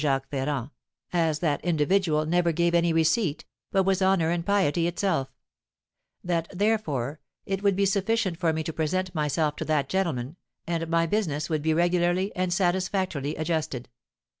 Jacques Ferrand, as that individual never gave any receipt, but was honour and piety itself; that, therefore, it would be sufficient for me to present myself to that gentleman, and my business would be regularly and satisfactorily adjusted.